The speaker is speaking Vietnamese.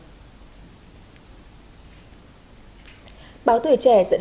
báo tuổi trẻ dẫn lời ông trần đình liệu phó tổng giám đốc bảo hiểm xã hội việt nam